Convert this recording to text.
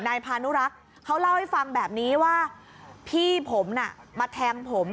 นายพานุรักษ์เขาเล่าให้ฟังแบบนี้ว่าพี่ผมน่ะมาแทงผม